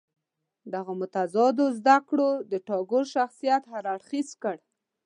دغو متضادو زده کړو د ټاګور شخصیت هر اړخیز کړ.